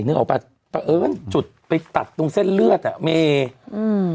นึกออกปะแต่เอิ้นจุดไปตัดตรงเส้นเลือดอ่ะมีอืม